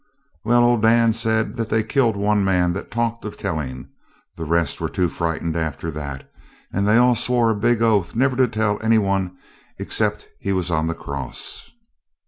'Well, old Dan said that they killed one man that talked of telling; the rest were too frightened after that, and they all swore a big oath never to tell any one except he was on the cross.'